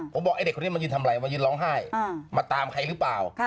ผมบอกไอ้เด็กคนนี้มายืนทำอะไรมายืนร้องไห้มาตามใครหรือเปล่า